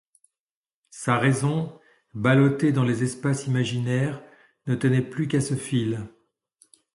Sa raison, ballottée dans les espaces imaginaires, ne tenait plus qu’à ce fil.